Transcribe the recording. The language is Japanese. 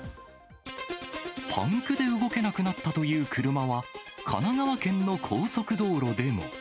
パンクで動けなくなったという車は、神奈川県の高速道路でも。